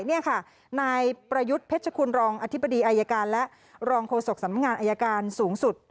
นี่ค่ะนายประยุทธ์เพชรคุณรองอธิบดีอายการและรองโฆษกสำนักงานอายการสูงสุด